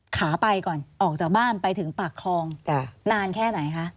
ขาไปก่อนออกจากบ้านไปถึงปากคลองนานแค่ไหนคะ